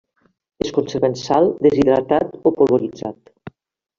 Es conserva en sal, deshidratat o polvoritzat.